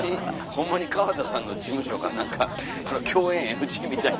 ホンマに川田さんの事務所か何か共演ＮＧみたいに。